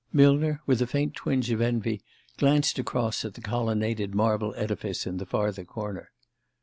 Millner, with a faint twinge of envy, glanced across at the colonnaded marble edifice in the farther corner.